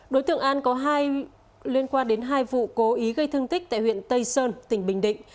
đối tượng an có hai liên quan đến hai vụ cố ý gây thương tích tại huyện tây sơn tỉnh bình định